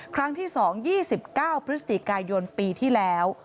ครั้งที่๒๒๙พฤศจิกายนปีที่แล้ว